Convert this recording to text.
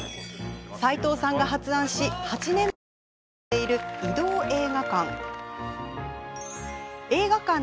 斎藤さんが発案し８年前から続けている移動映画館。